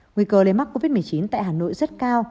nguy cơ lây mắc covid một mươi chín tại hà nội rất cao